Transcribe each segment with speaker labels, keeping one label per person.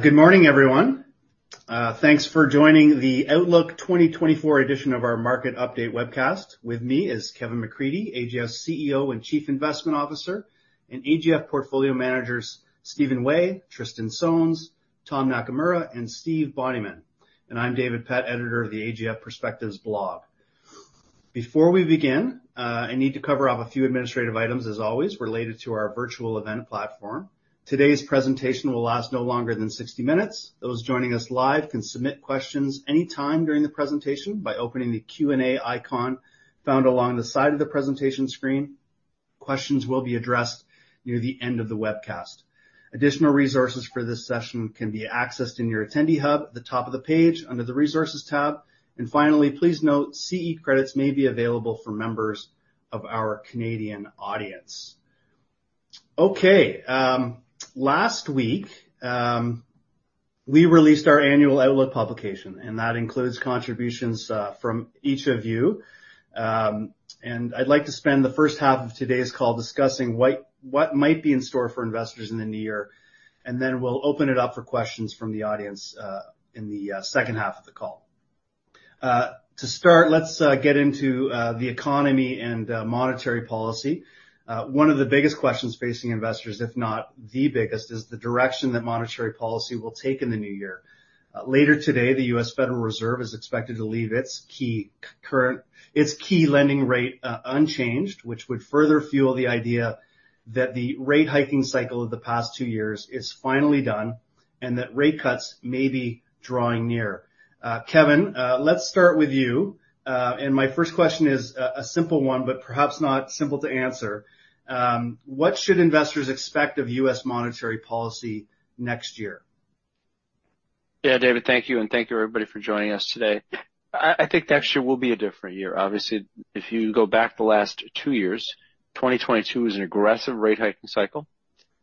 Speaker 1: Good morning, everyone. Thanks for joining the Outlook 2024 edition of our Market Update webcast. With me is Kevin McCreadie, AGF's CEO and Chief Investment Officer, and AGF Portfolio Managers Stephen Way, Tristan Sones, Tom Nakamura, and Stephen Bonnyman. I'm David Pett, editor of the AGF Perspectives blog. Before we begin, I need to cover off a few administrative items, as always, related to our virtual event platform. Today's presentation will last no longer than 60 minutes. Those joining us live can submit questions any time during the presentation by opening the Q&A icon found along the side of the presentation screen. Questions will be addressed near the end of the webcast. Additional resources for this session can be accessed in your attendee hub at the top of the page, under the Resources tab. Finally, please note, CE credits may be available for members of our Canadian audience. Okay, last week, we released our annual Outlook publication, and that includes contributions from each of you. And I'd like to spend the first half of today's call discussing what might be in store for investors in the new year, and then we'll open it up for questions from the audience in the second half of the call. To start, let's get into the economy and monetary policy. One of the biggest questions facing investors, if not the biggest, is the direction that monetary policy will take in the new year. Later today, the U.S. Federal Reserve is expected to leave its key lending rate unchanged, which would further fuel the idea that the rate-hiking cycle of the past two years is finally done, and that rate cuts may be drawing near. Kevin, let's start with you. My first question is a simple one, but perhaps not simple to answer: What should investors expect of U.S. monetary policy next year?
Speaker 2: Yeah, David, thank you, and thank you, everybody, for joining us today. I think next year will be a different year. Obviously, if you go back the last two years, 2022 was an aggressive rate hiking cycle.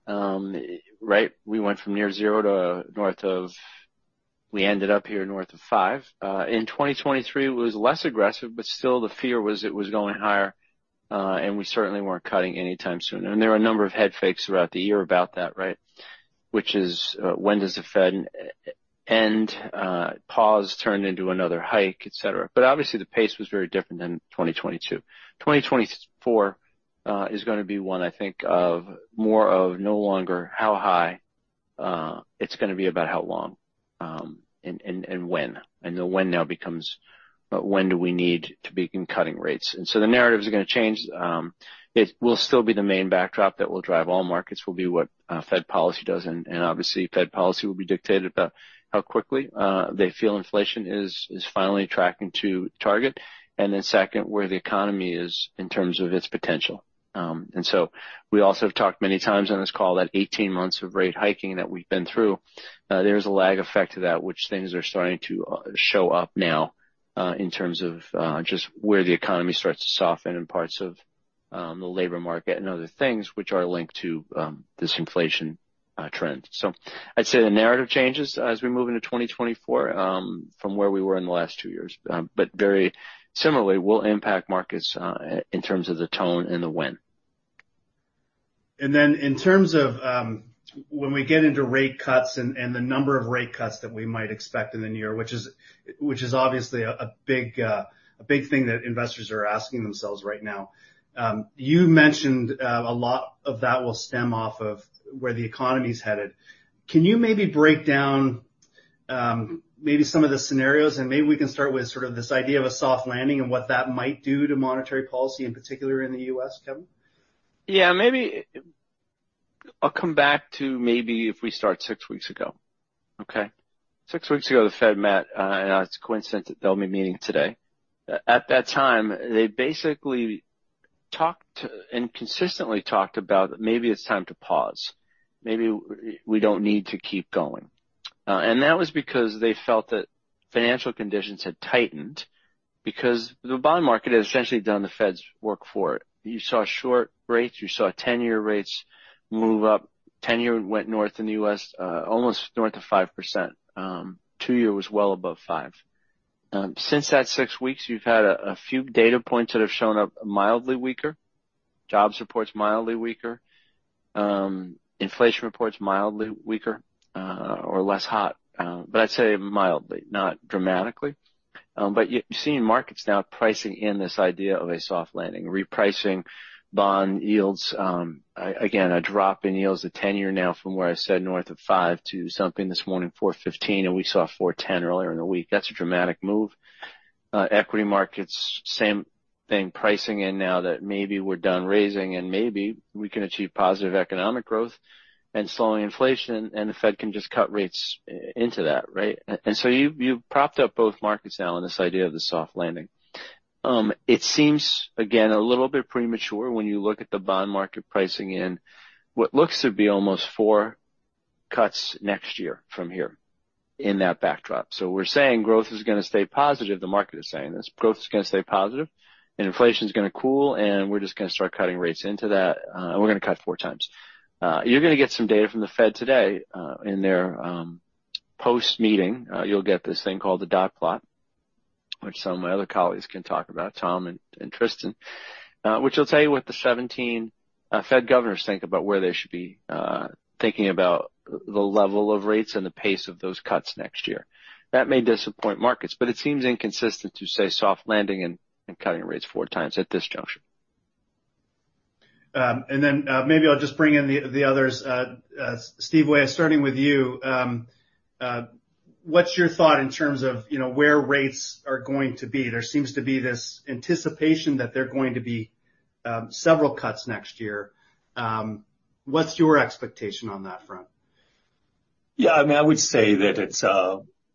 Speaker 2: Right? We went from near zero to north of, we ended up here north of 5%. In 2023, it was less aggressive, but still the fear was it was going higher, and we certainly weren't cutting any time soon. And there were a number of head fakes throughout the year about that, right? Which is, when does the Fed end, pause, turn into another hike, et cetera. But obviously, the pace was very different than 2022. 2024, is gonna be one, I think, of more of no longer how high, it's gonna be about how long and when. The when now becomes: when do we need to begin cutting rates? So the narrative is gonna change. It will still be the main backdrop that will drive all markets, will be what Fed policy does, and obviously, Fed policy will be dictated about how quickly they feel inflation is finally tracking to target, and then second, where the economy is in terms of its potential. So we also have talked many times on this call that 18 months of rate hiking that we've been through, there's a lag effect to that, which things are starting to show up now in terms of just where the economy starts to soften in parts of the labor market and other things which are linked to this inflation trend. So I'd say the narrative changes as we move into 2024 from where we were in the last two years, but very similarly will impact markets in terms of the tone and the when.
Speaker 1: And then in terms of when we get into rate cuts and the number of rate cuts that we might expect in the new year, which is obviously a big thing that investors are asking themselves right now. You mentioned a lot of that will stem off of where the economy is headed. Can you maybe break down maybe some of the scenarios, and maybe we can start with sort of this idea of a soft landing and what that might do to monetary policy, in particular in the U.S., Kevin?
Speaker 2: Yeah, maybe I'll come back to maybe if we start six weeks ago. Okay? Six weeks ago, the Fed met, and it's a coincidence that they'll be meeting today. At that time, they basically talked and consistently talked about, maybe it's time to pause. Maybe we don't need to keep going. And that was because they felt that financial conditions had tightened because the bond market had essentially done the Fed's work for it. You saw short rates, you saw 10-year rates move up. 10-year went north in the U.S., almost no`rth of 5%. Two-year was well above 5%. Since that six weeks, we've had a few data points that have shown up mildly weaker, jobs reports mildly weaker, inflation reports mildly weaker, or less hot. But I'd say mildly, not dramatically. But you, you're seeing markets now pricing in this idea of a soft landing, repricing bond yields. Again, a drop in yields, a 10-year now from where I said north of 5% to something this morning, 4.15%, and we saw 4.10% earlier in the week. That's a dramatic move. Equity markets, same thing, pricing in now that maybe we're done raising and maybe we can achieve positive economic growth and slowing inflation, and the Fed can just cut rates into that, right? And so you've propped up both markets now on this idea of the soft landing. It seems, again, a little bit premature when you look at the bond market pricing in what looks to be almost 4 cuts next year from here in that backdrop. So we're saying growth is gonna stay positive. The market is saying this. Growth is gonna stay positive, and inflation is gonna cool, and we're just gonna start cutting rates into that, and we're gonna cut 4 times. You're gonna get some data from the Fed today, in their post-meeting. You'll get this thing called the dot plot, which some of my other colleagues can talk about, Tom and Tristan. Which will tell you what the 17 Fed governors think about where they should be thinking about the level of rates and the pace of those cuts next year. That may disappoint markets, but it seems inconsistent to say soft landing and cutting rates 4 times at this juncture.
Speaker 1: And then, maybe I'll just bring in the others. Stephen Way, starting with you, what's your thought in terms of, you know, where rates are going to be? There seems to be this anticipation that they're going to be several cuts next year. What's your expectation on that front?
Speaker 3: Yeah, I mean, I would say that it's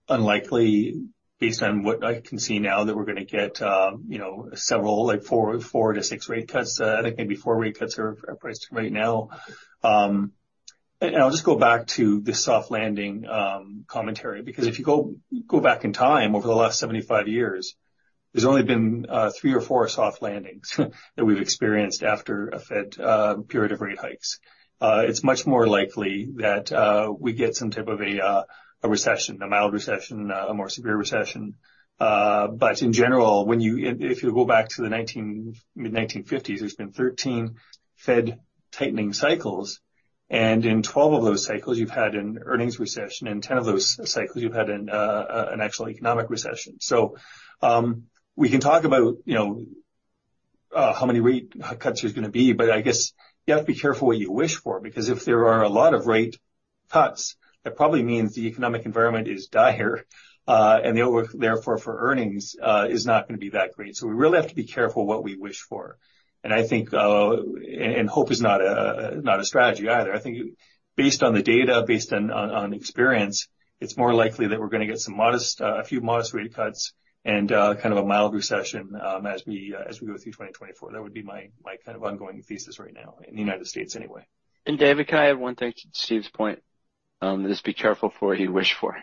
Speaker 3: unlikely, based on what I can see now, that we're gonna get, you know, several, like, 4-6 rate cuts. I think maybe 4 rate cuts are priced right now. And I'll just go back to the soft landing commentary, because if you go back in time over the last 75 years, there's only been three or four soft landings that we've experienced after a Fed period of rate hikes. It's much more likely that we get some type of a recession, a mild recession, a more severe recession. But in general, if you go back to the mid-1950s, there's been 13 Fed tightening cycles, and in 12 of those cycles, you've had an earnings recession. In 10 of those cycles, you've had an actual economic recession. So, we can talk about, you know, how many rate cuts there's gonna be, but I guess you have to be careful what you wish for, because if there are a lot of rate cuts, that probably means the economic environment is dire, and the outlook therefore, for earnings, is not gonna be that great. So we really have to be careful what you wish for. And I think and hope is not a strategy either. I think based on the data, based on experience, it's more likely that we're gonna get some modest, a few modest rate cuts and, kind of a mild recession, as we go through 2024. That would be my kind of ongoing thesis right now in the United States anyway.
Speaker 2: And David, can I add one thing to Steve's point? Just be careful for what you wish for,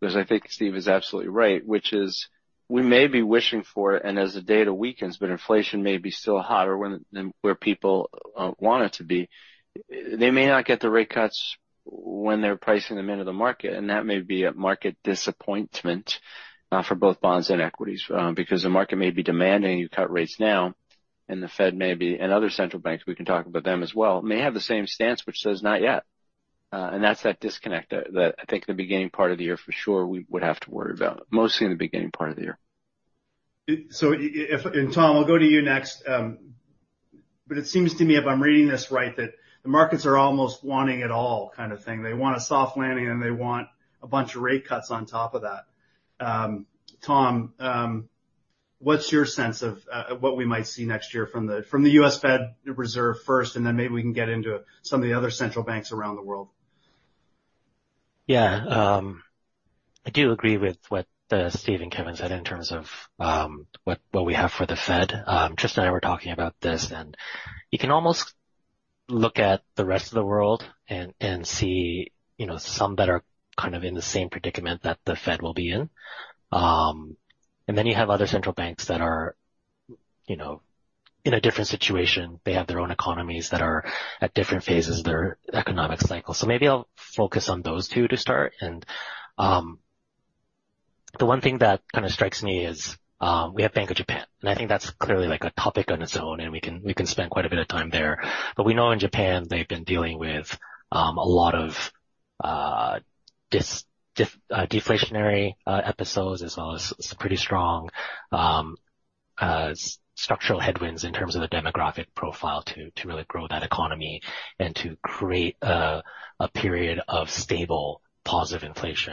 Speaker 2: because I think Steve is absolutely right, which is, we may be wishing for it, and as the data weakens, but inflation may be still hot or warmer than where people want it to be. They may not get the rate cuts when they're pricing them into the market, and that may be a market disappointment for both bonds and equities. Because the market may be demanding you cut rates now, and the Fed may be, and other central banks, we can talk about them as well, may have the same stance, which says, "Not yet." And that's that disconnect that I think in the beginning part of the year, for sure, we would have to worry about, mostly in the beginning part of the year.
Speaker 1: Tom, I'll go to you next. But it seems to me, if I'm reading this right, that the markets are almost wanting it all kind of thing. They want a soft landing, and they want a bunch of rate cuts on top of that. Tom, what's your sense of what we might see next year from the U.S. Federal Reserve first, and then maybe we can get into some of the other central banks around the world?
Speaker 4: Yeah, I do agree with what Steve and Kevin said in terms of what we have for the Fed. Tristan and I were talking about this, and you can almost look at the rest of the world and see, you know, some that are kind of in the same predicament that the Fed will be in. And then you have other central banks that are, you know, in a different situation. They have their own economies that are at different phases of their economic cycle. So maybe I'll focus on those two to start. And the one thing that kind of strikes me is we have Bank of Japan, and I think that's clearly, like, a topic on its own, and we can spend quite a bit of time there. But we know in Japan, they've been dealing with a lot of deflationary episodes, as well as some pretty strong structural headwinds in terms of the demographic profile, to really grow that economy and to create a period of stable, positive inflation.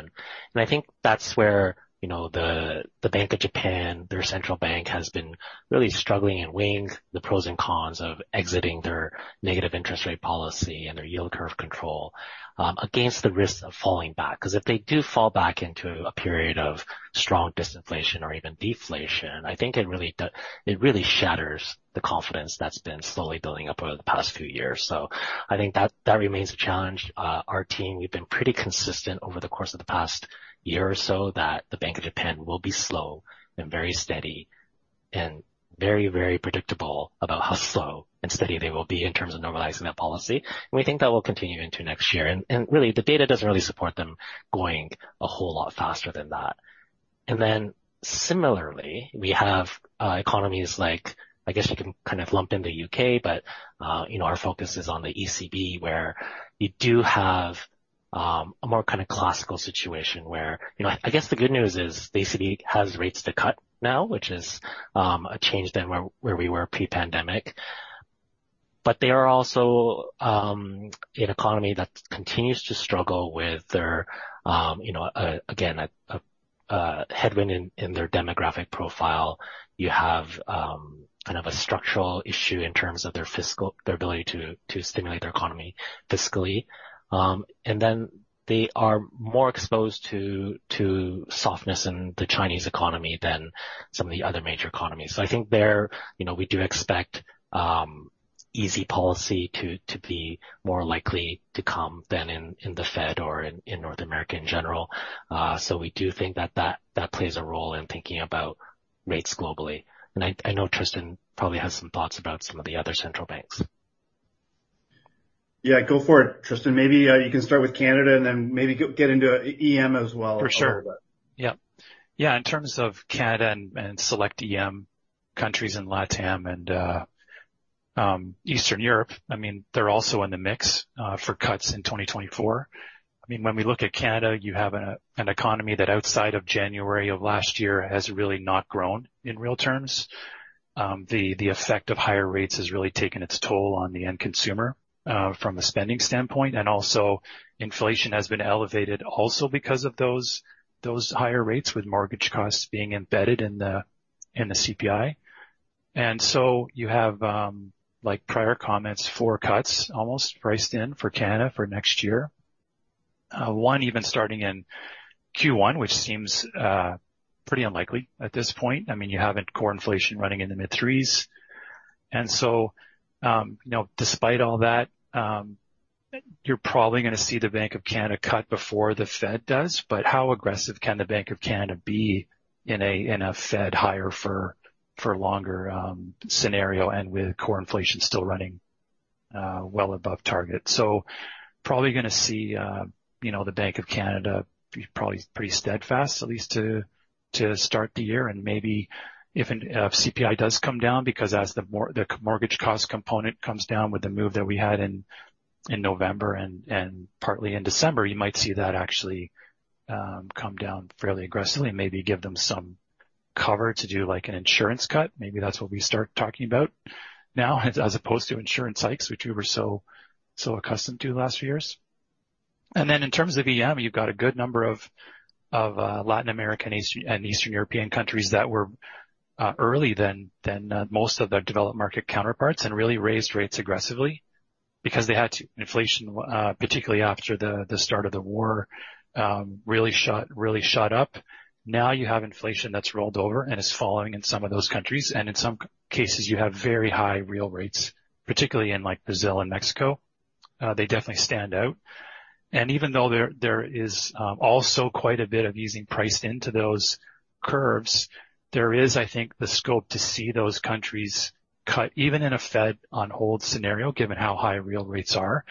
Speaker 4: And I think that's where, you know, the Bank of Japan, their central bank, has been really struggling and weighing the pros and cons of exiting their Negative Interest Rate Policy and their Yield Curve Control, against the risk of falling back. Because if they do fall back into a period of strong disinflation or even deflation, I think it really shatters the confidence that's been slowly building up over the past few years. So I think that remains a challenge. Our team, we've been pretty consistent over the course of the past year or so, that the Bank of Japan will be slow and very steady and very, very predictable about how slow and steady they will be in terms of normalizing that policy. We think that will continue into next year. Really, the data doesn't really support them going a whole lot faster than that. Similarly, we have economies like, I guess you can kind of lump in the U.K., but you know, our focus is on the ECB, where you do have a more kind of classical situation where, you know... I guess the good news is the ECB has rates to cut now, which is a change than where, where we were pre-pandemic. But they are also an economy that continues to struggle with their, you know, again, a headwind in their demographic profile. You have kind of a structural issue in terms of their fiscal, their ability to stimulate their economy fiscally. And then they are more exposed to softness in the Chinese economy than some of the other major economies. So I think there, you know, we do expect easy policy to be more likely to come than in the Fed or in North America in general. So we do think that that plays a role in thinking about rates globally. And I know Tristan probably has some thoughts about some of the other central banks.
Speaker 1: Yeah, go for it, Tristan, maybe you can start with Canada and then maybe get into EM as well.
Speaker 5: For sure. Yep. Yeah, in terms of Canada and select EM countries in Latam and Eastern Europe, I mean, they're also in the mix for cuts in 2024. I mean, when we look at Canada, you have an economy that outside of January of last year has really not grown in real terms. The effect of higher rates has really taken its toll on the end consumer from a spending standpoint, and also inflation has been elevated also because of those higher rates, with mortgage costs being embedded in the CPI. And so you have, like prior comments, 4 cuts almost priced in for Canada for next year. One even starting in Q1, which seems pretty unlikely at this point. I mean, you have core inflation running in the mid threes. And so, you know, despite all that, you're probably gonna see the Bank of Canada cut before the Fed does, but how aggressive can the Bank of Canada be in a Fed higher for longer scenario and with core inflation still running well above target? So, probably gonna see, you know, the Bank of Canada be probably pretty steadfast, at least to start the year. And maybe if CPI does come down, because as the mortgage cost component comes down with the move that we had in November and partly in December, you might see that actually come down fairly aggressively, and maybe give them some cover to do, like, an insurance cut. Maybe that's what we start talking about now, as opposed to insurance hikes, which we were so, so accustomed to the last few years. And then in terms of EM, you've got a good number of Latin American and Eastern European countries that were earlier than most of their developed market counterparts, and really raised rates aggressively because they had to. Inflation, particularly after the start of the war, really shot up. Now you have inflation that's rolled over and is falling in some of those countries, and in some cases, you have very high real rates, particularly in, like, Brazil and Mexico. They definitely stand out. Even though there is also quite a bit of easing priced into those curves, there is, I think, the scope to see those countries cut, even in a Fed on hold scenario, given how high real rates are.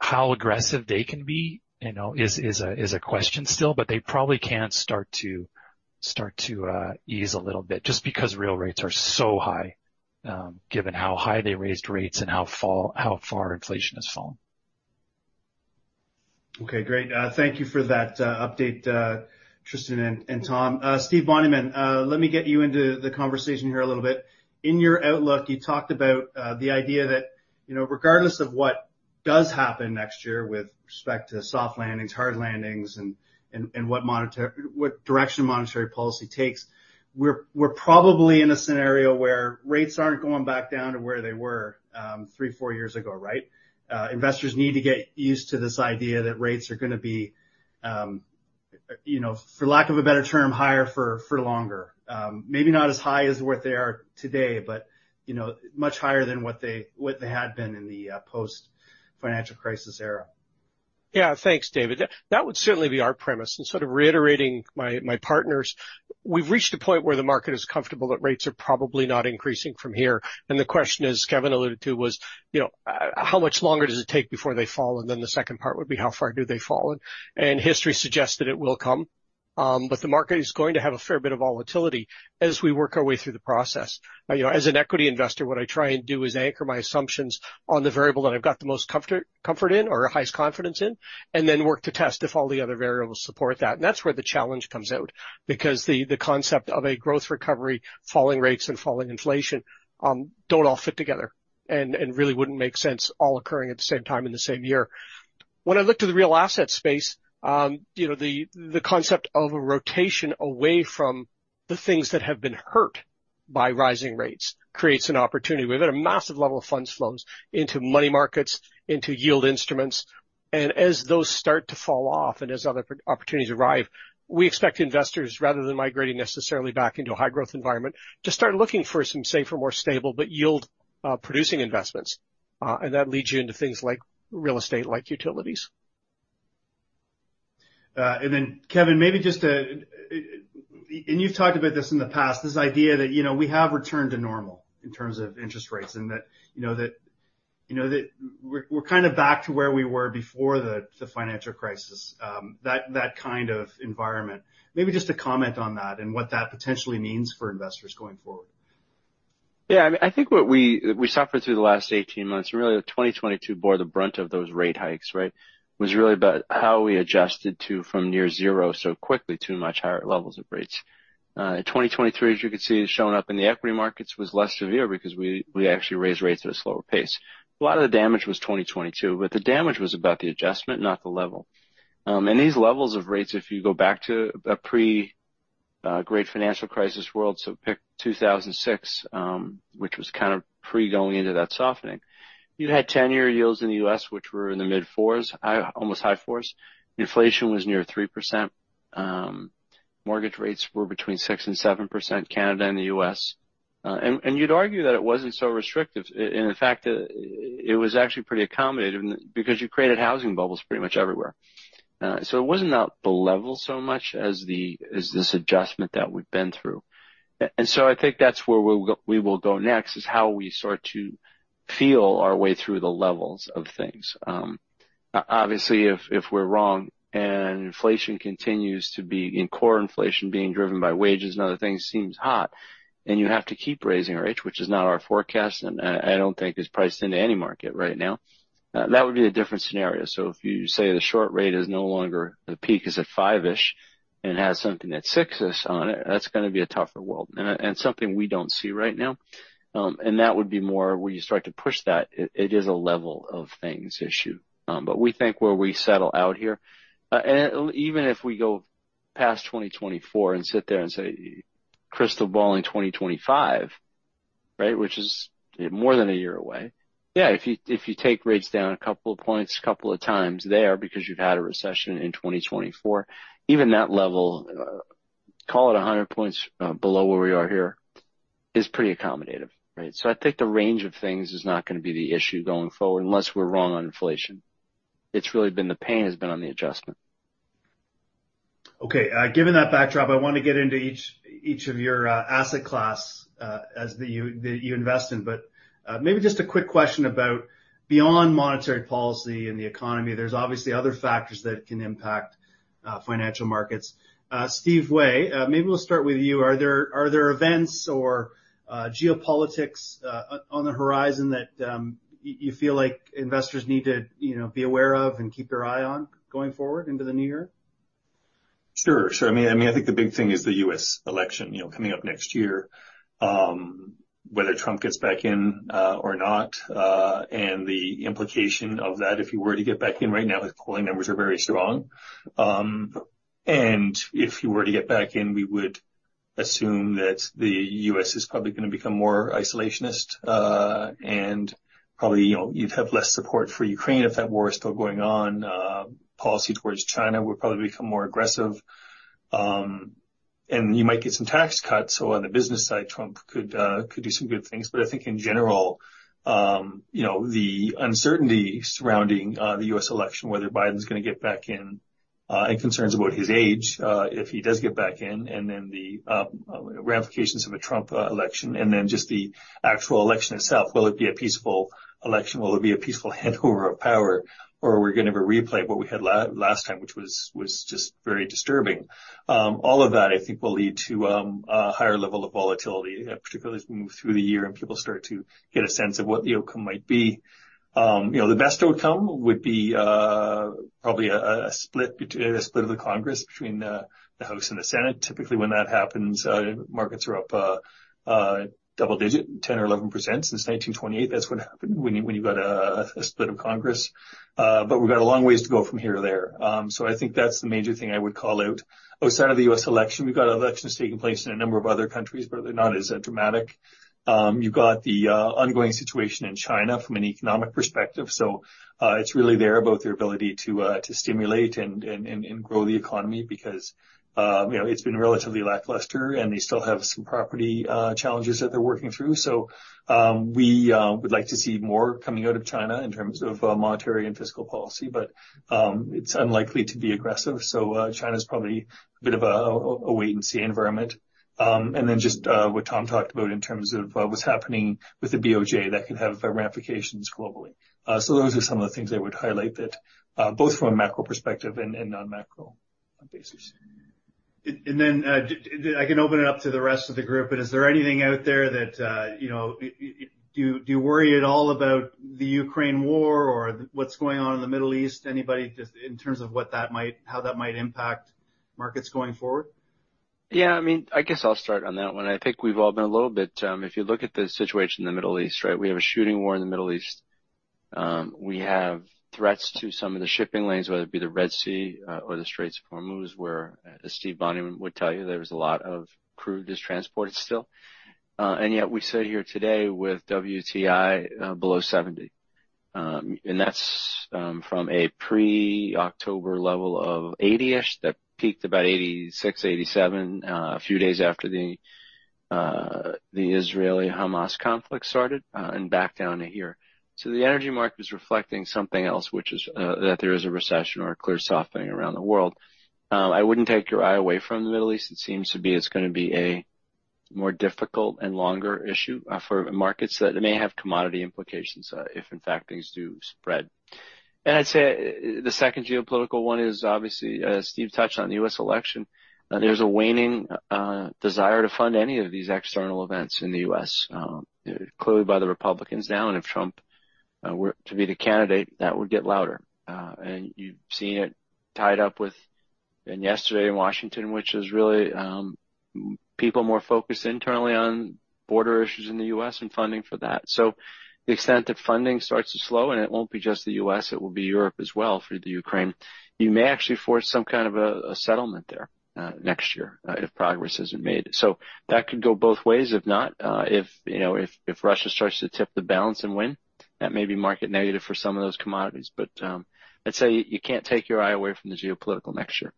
Speaker 5: How aggressive they can be, you know, is a question still, but they probably can't start to ease a little bit just because real rates are so high, given how high they raised rates and how far inflation has fallen.
Speaker 1: Okay, great. Thank you for that update, Tristan and Tom. Stephen Bonnyman, let me get you into the conversation here a little bit. In your outlook, you talked about the idea that, you know, regardless of what does happen next year with respect to soft landings, hard landings and what direction monetary policy takes, we're probably in a scenario where rates aren't going back down to where they were three to four years ago, right? Investors need to get used to this idea that rates are gonna be, you know, for lack of a better term, higher for longer. Maybe not as high as what they are today, but, you know, much higher than what they had been in the post-financial crisis era.
Speaker 6: Yeah, thanks, David. That would certainly be our premise, and sort of reiterating my partners, we've reached a point where the market is comfortable that rates are probably not increasing from here. And the question, as Kevin alluded to, was, you know, how much longer does it take before they fall? And then the second part would be, how far do they fall? And history suggests that it will come, but the market is going to have a fair bit of volatility as we work our way through the process. You know, as an equity investor, what I try and do is anchor my assumptions on the variable that I've got the most comfort in or highest confidence in, and then work to test if all the other variables support that. That's where the challenge comes out, because the concept of a growth recovery, falling rates and falling inflation, don't all fit together, and really wouldn't make sense all occurring at the same time in the same year. When I look to the real asset space, you know, the concept of a rotation away from the things that have been hurt by rising rates creates an opportunity. We've had a massive level of funds flows into money markets, into yield instruments, and as those start to fall off and as other opportunities arrive, we expect investors, rather than migrating necessarily back into a high growth environment, to start looking for some safer, more stable, but yield producing investments. And that leads you into things like real estate, like utilities.
Speaker 1: And then, Kevin, you've talked about this in the past, this idea that, you know, we have returned to normal in terms of interest rates, and that, you know, that, you know, that we're kind of back to where we were before the financial crisis, that kind of environment. Maybe just a comment on that and what that potentially means for investors going forward.
Speaker 2: Yeah, I mean, I think what we suffered through the last 18 months, and really 2022 bore the brunt of those rate hikes, right? Was really about how we adjusted from near zero so quickly to much higher levels of rates. In 2023, as you can see, showing up in the equity markets was less severe because we actually raised rates at a slower pace. A lot of the damage was 2022, but the damage was about the adjustment, not the level. And these levels of rates, if you go back to a pre-Great Financial Crisis world, so pick 2006, which was kind of pre-going into that softening, you had 10-year yields in the U.S., which were in the mid-4s, high-almost high 4s. Inflation was near 3%. Mortgage rates were between 6% and 7%, Canada and the U.S. You'd argue that it wasn't so restrictive, and in fact, it was actually pretty accommodative because you created housing bubbles pretty much everywhere. So it wasn't about the level so much as this adjustment that we've been through. So I think that's where we'll go, we will go next, is how we start to feel our way through the levels of things. Obviously, if we're wrong and inflation continues to be... in core inflation being driven by wages and other things seems hot, and you have to keep raising rates, which is not our forecast, and I don't think is priced into any market right now, that would be a different scenario. So if you say the short rate is no longer, the peak is at 5-ish, and has something at 6-ish on it, that's gonna be a tougher world, and something we don't see right now. And that would be more where you start to push that. It is a level of things issue, but we think where we settle out here. And even if we go past 2024 and sit there and say, crystal balling 2025, right? Which is more than a year away. Yeah, if you take rates down a couple of points a couple of times there because you've had a recession in 2024, even that level, call it 100 points below where we are here, is pretty accommodative, right? So I think the range of things is not gonna be the issue going forward, unless we're wrong on inflation. It's really been the pain has been on the adjustment.
Speaker 1: Okay, given that backdrop, I want to get into each of your asset class as that you invest in. But, maybe just a quick question about beyond monetary policy and the economy, there's obviously other factors that can impact financial markets. Steve Way, maybe we'll start with you. Are there events or geopolitics on the horizon that you feel like investors need to, you know, be aware of and keep their eye on going forward into the new year?
Speaker 3: Sure, sure. I mean, I mean, I think the big thing is the U.S. election, you know, coming up next year. Whether Trump gets back in, or not, and the implication of that, if he were to get back in right now, his polling numbers are very strong. And if he were to get back in, we would assume that the U.S. is probably gonna become more isolationist, and probably, you know, you'd have less support for Ukraine if that war is still going on. Policy towards China would probably become more aggressive, and you might get some tax cuts. So on the business side, Trump could, could do some good things. But I think in general, you know, the uncertainty surrounding the U.S. election, whether Biden's gonna get back in, and concerns about his age, if he does get back in, and then the ramifications of a Trump election, and then just the actual election itself. Will it be a peaceful election? Will it be a peaceful handover of power, or we're gonna have a replay of what we had last time, which was just very disturbing. All of that, I think, will lead to a higher level of volatility, particularly as we move through the year and people start to get a sense of what the outcome might be. You know, the best outcome would be probably a split of the Congress between the House and the Senate. Typically, when that happens, markets are up double-digit, 10 or 11%. Since 1928, that's what happened when you got a split of Congress. But we've got a long ways to go from here to there. So I think that's the major thing I would call out. Outside of the U.S. election, we've got elections taking place in a number of other countries, but they're not as dramatic. You've got the ongoing situation in China from an economic perspective. So, it's really there about their ability to stimulate and grow the economy because, you know, it's been relatively lackluster, and they still have some property challenges that they're working through. So, we would like to see more coming out of China in terms of monetary and fiscal policy, but it's unlikely to be aggressive. So, China's probably a bit of a wait-and-see environment. And then just what Tom talked about in terms of what's happening with the BOJ, that could have ramifications globally. So those are some of the things I would highlight that both from a macro perspective and non-macro basis.
Speaker 1: And then, I can open it up to the rest of the group, but is there anything out there that, you know, do you worry at all about the Ukraine war or what's going on in the Middle East? Anybody, just in terms of what that might, how that might impact markets going forward?
Speaker 2: Yeah, I mean, I guess I'll start on that one. I think we've all been a little bit... If you look at the situation in the Middle East, right? We have a shooting war in the Middle East. We have threats to some of the shipping lanes, whether it be the Red Sea or the Straits of Hormuz, where, as Steve Bonnyman would tell you, there's a lot of crude that's transported still. And yet we sit here today with WTI below $70. And that's from a pre-October level of $80-ish, that peaked about $86, $87 a few days after the Israeli-Hamas conflict started, and back down to here. So the energy market is reflecting something else, which is that there is a recession or a clear softening around the world. I wouldn't take your eye away from the Middle East. It seems to be it's gonna be a more difficult and longer issue for markets, that it may have commodity implications if in fact, things do spread. And I'd say the second geopolitical one is obviously, as Steve touched on the U.S. election, there's a waning desire to fund any of these external events in the U.S., clearly by the Republicans now, and if Trump were to be the candidate, that would get louder. And you've seen it tied up with, and yesterday in Washington, which is really, people more focused internally on border issues in the U.S. and funding for that. So the extent that funding starts to slow, and it won't be just the U.S., it will be Europe as well, for the Ukraine. You may actually force some kind of a settlement there next year if progress isn't made. So that could go both ways. If not, if you know, if Russia starts to tip the balance and win, that may be market negative for some of those commodities. But I'd say you can't take your eye away from the geopolitical next year.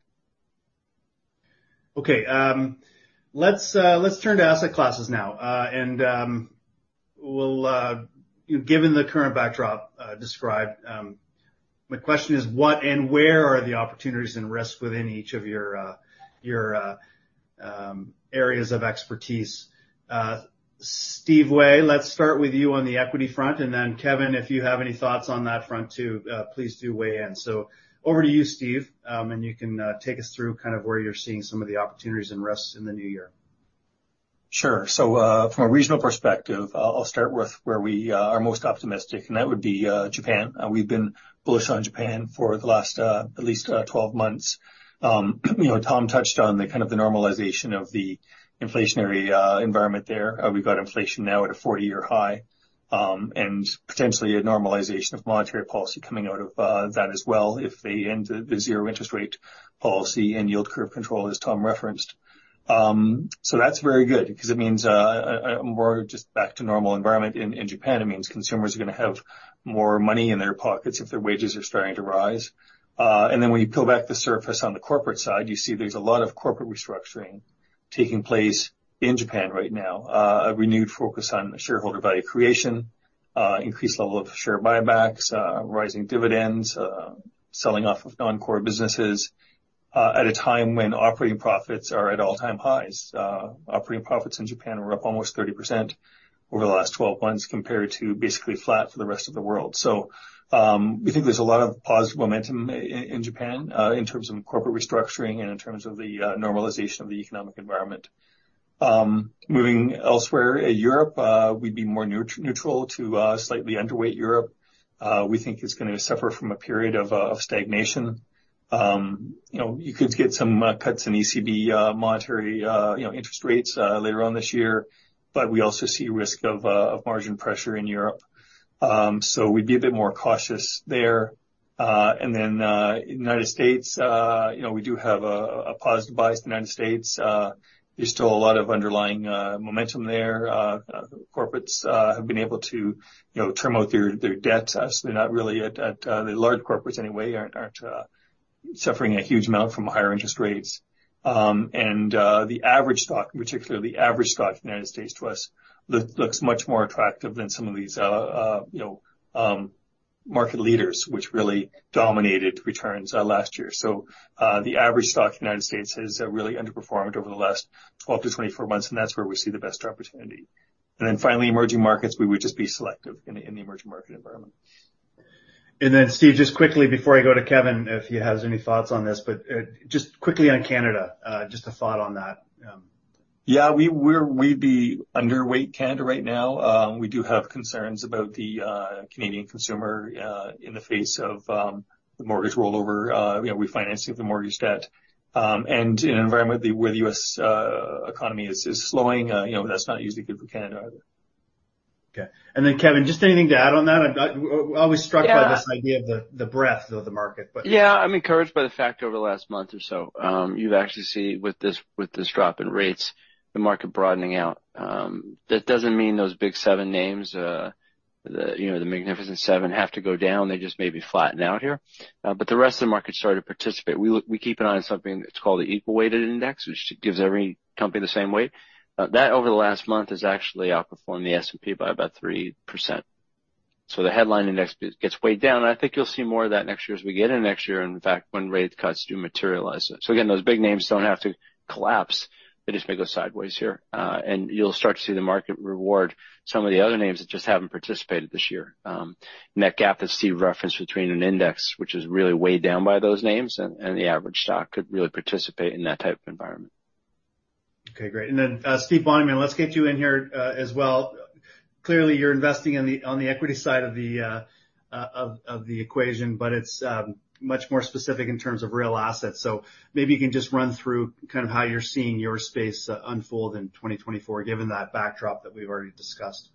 Speaker 1: Okay, let's turn to asset classes now. We'll, given the current backdrop described, my question is: What and where are the opportunities and risks within each of your areas of expertise? Steve Way, let's start with you on the equity front, and then, Kevin, if you have any thoughts on that front, too, please do weigh in. So over to you, Steve, and you can take us through kind of where you're seeing some of the opportunities and risks in the new year.
Speaker 3: Sure. So, from a regional perspective, I'll start with where we are most optimistic, and that would be Japan. We've been bullish on Japan for the last at least 12 months. You know, Tom touched on the kind of normalization of the inflationary environment there. We've got inflation now at a 40-year high, and potentially a normalization of monetary policy coming out of that as well, if they end the zero interest rate policy and yield curve control, as Tom referenced. So that's very good because it means more just back to normal environment in Japan. It means consumers are gonna have more money in their pockets if their wages are starting to rise. And then when you peel back the surface on the corporate side, you see there's a lot of corporate restructuring taking place in Japan right now. A renewed focus on shareholder value creation, increased level of share buybacks, rising dividends, selling off of non-core businesses, at a time when operating profits are at all-time highs. Operating profits in Japan were up almost 30% over the last 12 months, compared to basically flat for the rest of the world. So, we think there's a lot of positive momentum in Japan, in terms of corporate restructuring and in terms of the normalization of the economic environment. Moving elsewhere, in Europe, we'd be more neutral to slightly underweight Europe. We think it's gonna suffer from a period of stagnation. You know, you could get some cuts in ECB monetary, you know, interest rates later on this year, but we also see risk of margin pressure in Europe. So we'd be a bit more cautious there. And then, in the United States, you know, we do have a positive bias in the United States. There's still a lot of underlying momentum there. Corporates have been able to, you know, trim out their debt. So they're not really at. The large corporates, anyway, aren't suffering a huge amount from higher interest rates. And, the average stock, particularly average stock in the United States to us, looks much more attractive than some of these, you know, market leaders, which really dominated returns last year. So, the average stock in the United States has really underperformed over the last 12-24 months, and that's where we see the best opportunity. And then finally, emerging markets, we would just be selective in the emerging market environment.
Speaker 1: And then, Steve, just quickly before I go to Kevin, if he has any thoughts on this, but just quickly on Canada, just a thought on that.
Speaker 3: Yeah, we'd be underweight Canada right now. We do have concerns about the Canadian consumer in the face of the mortgage rollover, you know, refinancing of the mortgage debt. And in an environment where the U.S. economy is slowing, you know, that's not usually good for Canada either.
Speaker 1: Okay. And then, Kevin, just anything to add on that? I always struck by this idea of the breadth of the market, but-
Speaker 2: Yeah, I'm encouraged by the fact over the last month or so, you've actually seen with this, with this drop in rates, the market broadening out. That doesn't mean those big seven names, you know, the Magnificent Seven, have to go down. They just may be flattening out here. But the rest of the market started to participate. We keep an eye on something that's called the equal weighted index, which gives every company the same weight. That, over the last month, has actually outperformed the S&P by about 3%. So the headline index gets weighed down, and I think you'll see more of that next year as we get in next year, and in fact, when rate cuts do materialize. So again, those big names don't have to collapse. They just may go sideways here. And you'll start to see the market reward some of the other names that just haven't participated this year. And that gap is seen referenced between an index, which is really weighed down by those names, and the average stock could really participate in that type of environment.
Speaker 1: Okay, great. And then, Stephen Bonnyman, let's get you in here, as well. Clearly, you're investing on the equity side of the equation, but it's much more specific in terms of real assets. So maybe you can just run through kind of how you're seeing your space unfold in 2024, given that backdrop that we've already discussed.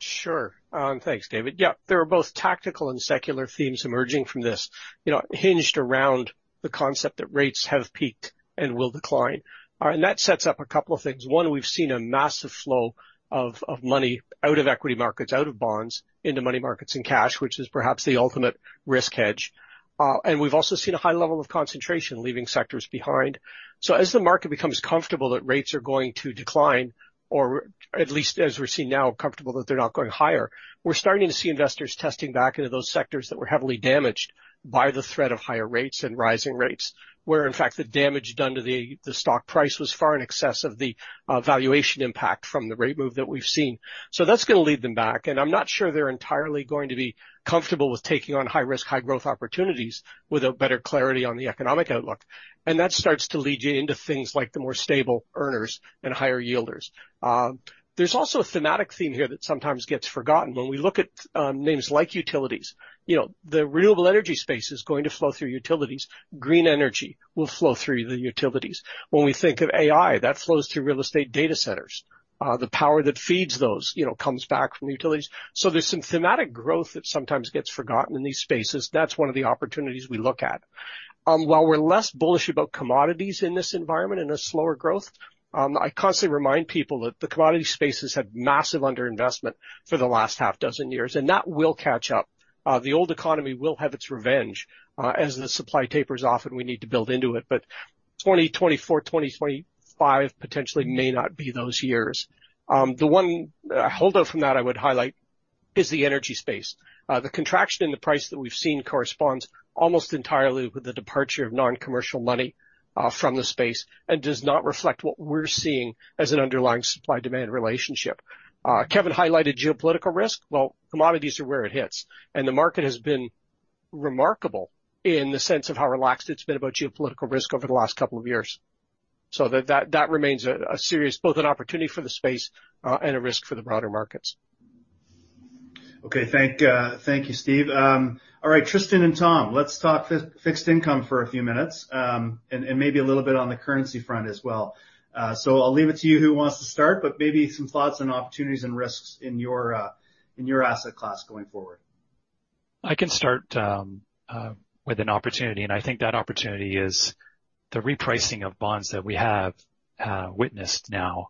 Speaker 6: Sure. Thanks, David. Yeah. There are both tactical and secular themes emerging from this, you know, hinged around the concept that rates have peaked and will decline. And that sets up a couple of things. One, we've seen a massive flow of money out of equity markets, out of bonds, into money markets and cash, which is perhaps the ultimate risk hedge. And we've also seen a high level of concentration, leaving sectors behind. So as the market becomes comfortable that rates are going to decline, or at least as we're seeing now, comfortable that they're not going higher, we're starting to see investors testing back into those sectors that were heavily damaged by the threat of higher rates and rising rates, where, in fact, the damage done to the, the stock price was far in excess of the valuation impact from the rate move that we've seen. So that's gonna lead them back, and I'm not sure they're entirely going to be comfortable with taking on high-risk, high-growth opportunities with a better clarity on the economic outlook. And that starts to lead you into things like the more stable earners and higher yielders. There's also a thematic theme here that sometimes gets forgotten. When we look at names like utilities, you know, the renewable energy space is going to flow through utilities. Green energy will flow through the utilities. When we think of AI, that flows through real estate data centers. The power that feeds those, you know, comes back from utilities. So there's some thematic growth that sometimes gets forgotten in these spaces. That's one of the opportunities we look at. While we're less bullish about commodities in this environment and a slower growth, I constantly remind people that the commodity spaces had massive underinvestment for the last six years, and that will catch up. The old economy will have its revenge, as the supply tapers off, and we need to build into it. But 2024, 2025, potentially may not be those years. The one holdout from that I would highlight is the energy space. The contraction in the price that we've seen corresponds almost entirely with the departure of non-commercial money from the space, and does not reflect what we're seeing as an underlying supply-demand relationship. Kevin highlighted geopolitical risk. Well, commodities are where it hits, and the market has been remarkable in the sense of how relaxed it's been about geopolitical risk over the last couple of years. So that remains a serious both an opportunity for the space and a risk for the broader markets.
Speaker 1: Okay, thank you, Steve. All right, Tristan and Tom, let's talk fixed income for a few minutes, and maybe a little bit on the currency front as well. So I'll leave it to you who wants to start, but maybe some thoughts on opportunities and risks in your asset class going forward.
Speaker 5: I can start with an opportunity, and I think that opportunity is the repricing of bonds that we have witnessed now.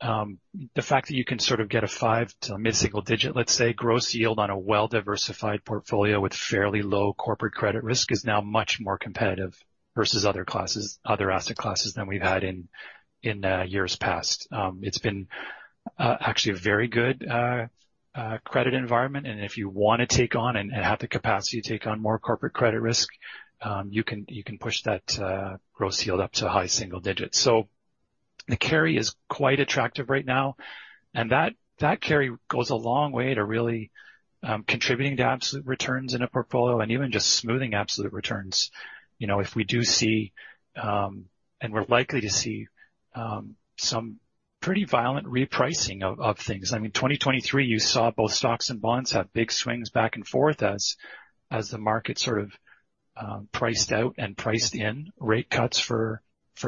Speaker 5: The fact that you can sort of get a five- to mid-single digit, let's say, gross yield on a well-diversified portfolio with fairly low corporate credit risk, is now much more competitive versus other classes, other asset classes than we've had in years past. It's been actually a very good credit environment, and if you want to take on and have the capacity to take on more corporate credit risk, you can push that gross yield up to high single digits. So the carry is quite attractive right now, and that carry goes a long way to really contributing to absolute returns in a portfolio and even just smoothing absolute returns. You know, if we do see, and we're likely to see, some pretty violent repricing of things. I mean, 2023, you saw both stocks and bonds have big swings back and forth as the market sort of priced out and priced in rate cuts for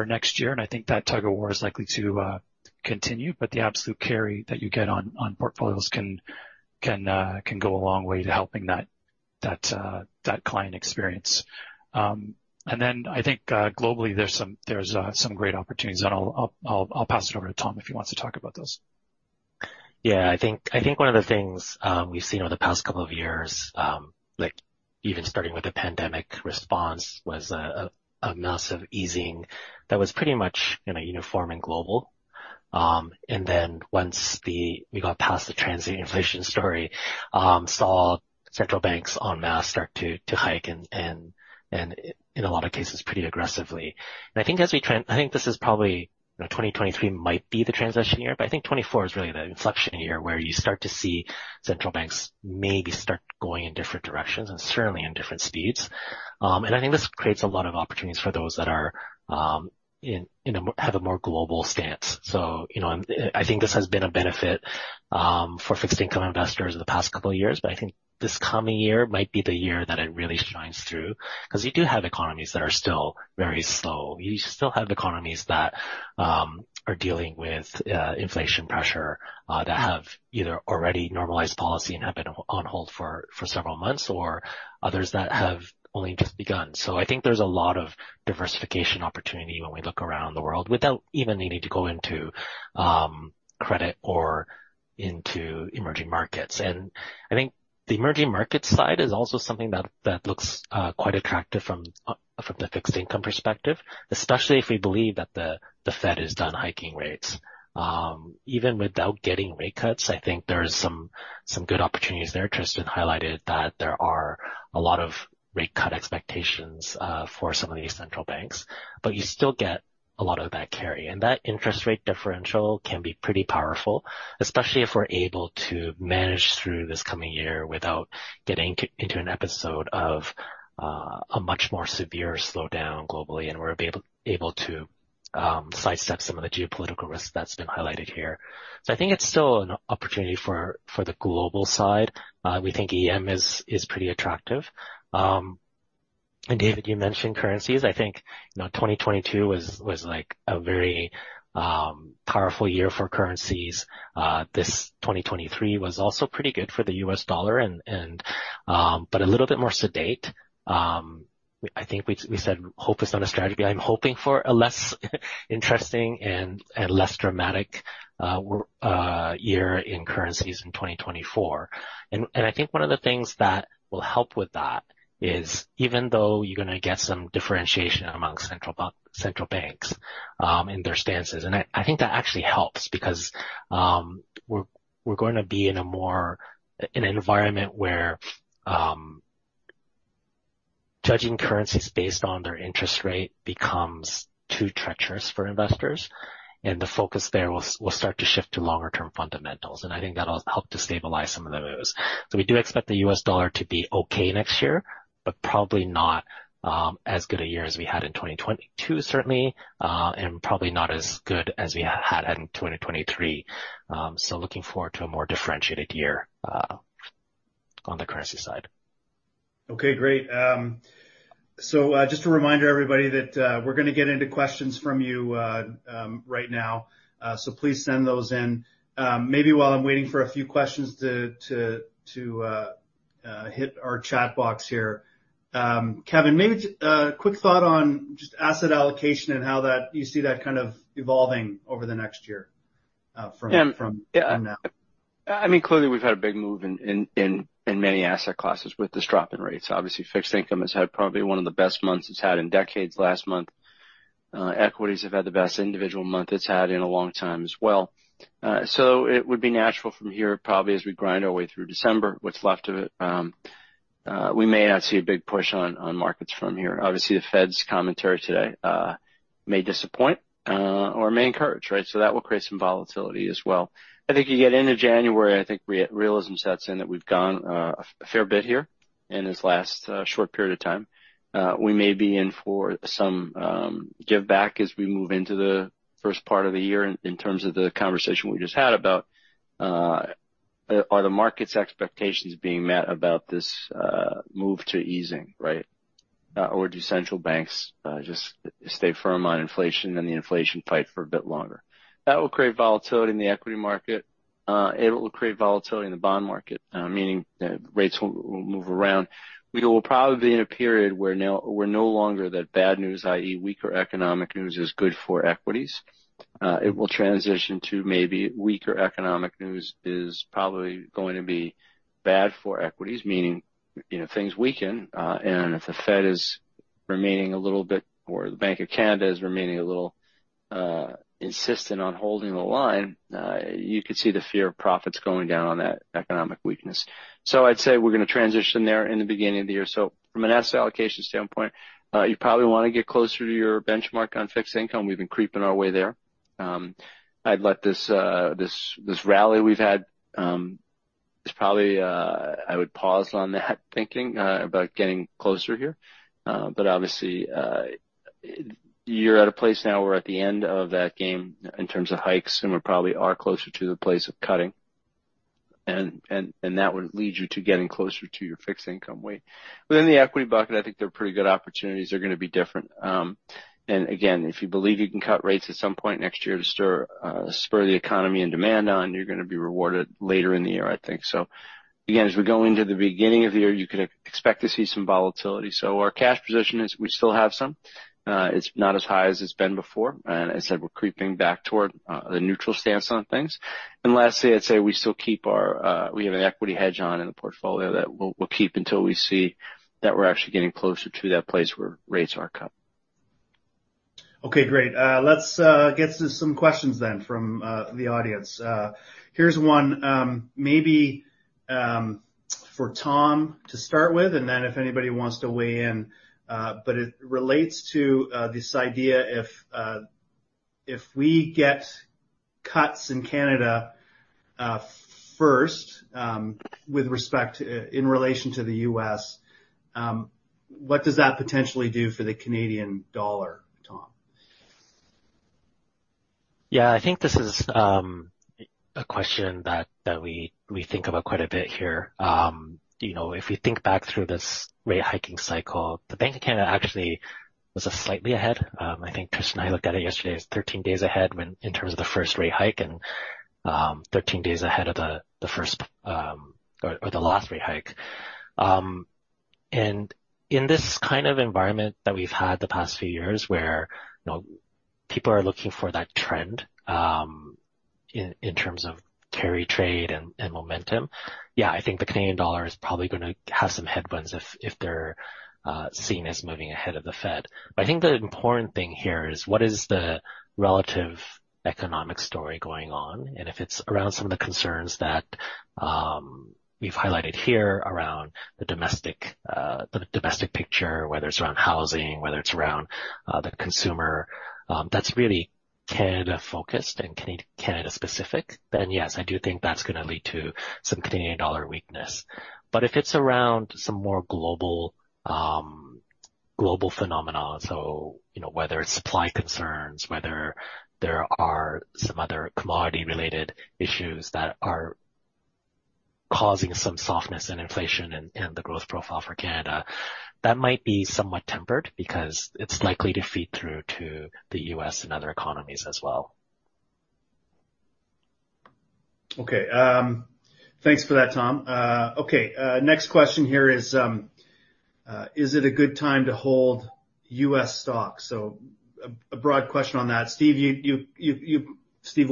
Speaker 5: next year. And I think that tug-of-war is likely to continue, but the absolute carry that you get on portfolios can go a long way to helping that client experience. And then I think globally, there's some great opportunities. And I'll pass it over to Tom if he wants to talk about those.
Speaker 4: Yeah, I think one of the things we've seen over the past couple of years, like even starting with the pandemic response, was a massive easing that was pretty much, you know, uniform and global. And then once we got past the transient inflation story, saw central banks en masse start to hike and in a lot of cases, pretty aggressively. And I think as we trend, I think this is probably, you know, 2023 might be the transition year, but I think 2024 is really the inflection year, where you start to see central banks maybe start going in different directions and certainly in different speeds. And I think this creates a lot of opportunities for those that are in a have a more global stance. So, you know, I think this has been a benefit for fixed income investors in the past couple of years, but I think this coming year might be the year that it really shines through, because you do have economies that are still very slow. You still have economies that are dealing with inflation pressure that have either already normalized policy and have been on hold for several months or others that have only just begun. So I think there's a lot of diversification opportunity when we look around the world without even needing to go into credit or into emerging markets. And I think the emerging market side is also something that looks quite attractive from the fixed income perspective, especially if we believe that the Fed is done hiking rates. Even without getting rate cuts, I think there are some, some good opportunities there. Tristan highlighted that there are a lot of rate cut expectations, for some of these central banks, but you still get a lot of that carry. And that interest rate differential can be pretty powerful, especially if we're able to manage through this coming year without getting into an episode of, a much more severe slowdown globally, and we're able, able to, sidestep some of the geopolitical risk that's been highlighted here. So I think it's still an opportunity for, for the global side. We think EM is pretty attractive. And David, you mentioned currencies. I think, you know, 2022 was, was, like, a very, powerful year for currencies. This 2023 was also pretty good for the U.S. dollar, but a little bit more sedate. I think we, we said hope is not a strategy. I'm hoping for a less interesting and, and less dramatic, year in currencies in 2024. And, and I think one of the things that will help with that is, even though you're gonna get some differentiation among central banks, in their stances, and I, I think that actually helps because, we're, we're going to be in a more, in an environment where, judging currencies based on their interest rate becomes too treacherous for investors, and the focus there will start to shift to longer term fundamentals, and I think that'll help to stabilize some of the moves. So we do expect the U.S. dollar to be okay next year, but probably not as good a year as we had in 2022, certainly, and probably not as good as we had in 2023. So looking forward to a more differentiated year on the currency side.
Speaker 1: Okay, great. So, just a reminder, everybody, that we're gonna get into questions from you right now, so please send those in. Maybe while I'm waiting for a few questions to hit our chat box here, Kevin, maybe quick thought on just asset allocation and how that you see that kind of evolving over the next year. From now.
Speaker 2: I mean, clearly, we've had a big move in many asset classes with this drop in rates. Obviously, fixed income has had probably one of the best months it's had in decades last month. Equities have had the best individual month it's had in a long time as well. So it would be natural from here, probably as we grind our way through December, what's left of it, we may not see a big push on markets from here. Obviously, the Fed's commentary today may disappoint or may encourage, right? So that will create some volatility as well. I think you get into January, I think realism sets in, that we've gone a fair bit here in this last short period of time. We may be in for some give back as we move into the first part of the year in terms of the conversation we just had about are the market's expectations being met about this move to easing, right? Or do central banks just stay firm on inflation and the inflation fight for a bit longer? That will create volatility in the equity market, it will create volatility in the bond market, meaning that rates will move around. We will probably be in a period where now we're no longer that bad news, i.e., weaker economic news is good for equities. It will transition to maybe weaker economic news is probably going to be bad for equities, meaning, you know, things weaken. If the Fed is remaining a little bit, or the Bank of Canada is remaining a little insistent on holding the line, you could see the fear of profits going down on that economic weakness. I'd say we're gonna transition there in the beginning of the year. From an asset allocation standpoint, you probably wanna get closer to your benchmark on fixed income. We've been creeping our way there. I'd let this rally we've had is probably. I would pause on that, thinking about getting closer here. But obviously, you're at a place now where at the end of that game, in terms of hikes, and we probably are closer to the place of cutting, and that would lead you to getting closer to your fixed income weight. Within the equity bucket, I think there are pretty good opportunities. They're gonna be different. And again, if you believe you can cut rates at some point next year to spur the economy and demand on, you're gonna be rewarded later in the year, I think. So again, as we go into the beginning of the year, you could expect to see some volatility. So our cash position is, we still have some, it's not as high as it's been before, and as I said, we're creeping back toward the neutral stance on things. And lastly, I'd say we still keep our, we have an equity hedge on in the portfolio that we'll keep until we see that we're actually getting closer to that place where rates are cut.
Speaker 1: Okay, great. Let's get to some questions, then, from the audience. Here's one, maybe, for Tom to start with, and then if anybody wants to weigh in, but it relates to this idea if we get cuts in Canada first, with respect in relation to the U.S., what does that potentially do for the Canadian dollar, Tom?
Speaker 4: Yeah, I think this is a question that we think about quite a bit here. You know, if you think back through this rate hiking cycle, the Bank of Canada actually was slightly ahead. I think Tristan and I looked at it yesterday, it was 13 days ahead when, in terms of the first rate hike and 13 days ahead of the first or the last rate hike. And in this kind of environment that we've had the past few years, where, you know, people are looking for that trend in terms of carry trade and momentum, yeah, I think the Canadian dollar is probably gonna have some headwinds if they're seen as moving ahead of the Fed. But I think the important thing here is what is the relative economic story going on? If it's around some of the concerns that we've highlighted here around the domestic picture, whether it's around housing, whether it's around the consumer, that's really Canada-focused and Canada-specific, then yes, I do think that's gonna lead to some Canadian dollar weakness. But if it's around some more global phenomena, so, you know, whether it's supply concerns, whether there are some other commodity-related issues that are causing some softness in inflation and the growth profile for Canada, that might be somewhat tempered because it's likely to feed through to the U.S. and other economies as well.
Speaker 1: Okay, thanks for that, Tom. Okay, next question here is, is it a good time to hold U.S. stocks? So a broad question on that. Stephen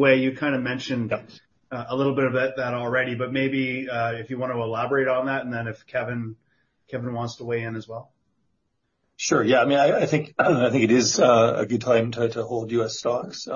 Speaker 1: Way, you kind of mentioned a little bit of that already, but maybe if you want to elaborate on that, and then if Kevin wants to weigh in as well.
Speaker 3: Sure. Yeah, I mean, I think it is a good time to hold U.S. stocks.